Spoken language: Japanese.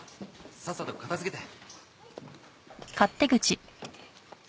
さっさと片付けて。